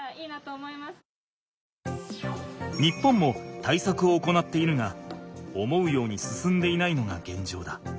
日本も対策を行っているが思うように進んでいないのがげんじょうだ。